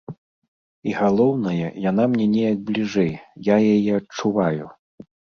І галоўнае, яна мне неяк бліжэй, я яе адчуваю.